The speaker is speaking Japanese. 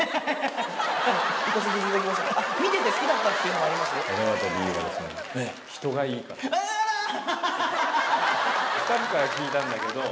見てて好きだったっていうのもありますね。